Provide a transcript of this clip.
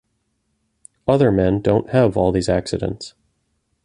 Other men don’t have all these accidents.